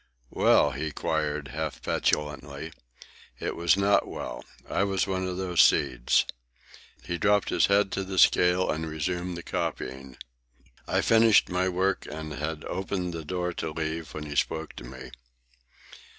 "Well?" he queried, half petulantly. "It was not well. I was one of those seeds." He dropped his head to the scale and resumed the copying. I finished my work and had opened the door to leave, when he spoke to me.